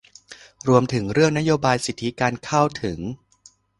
รวมถึงเรื่องนโยบายสิทธิการเข้าถึง